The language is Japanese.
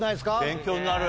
勉強になる。